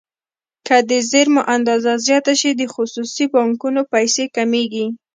که د زېرمو اندازه زیاته شي د خصوصي بانکونو پیسې کمیږي.